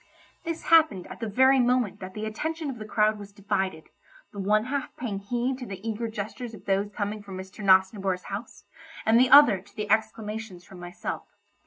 This happened at the very moment that the attention of the crowd was divided, the one half paying heed to the eager gestures of those coming from Mr. Nosnibor's house, and the other to the exclamations from myself.